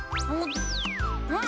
うん！